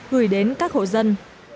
gửi đến các hội dân